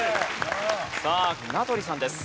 さあ名取さんです。